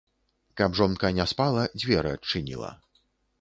Каб жонка не спала, дзверы адчыніла.